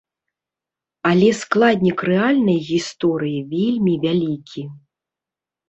Але складнік рэальнай гісторыі вельмі вялікі.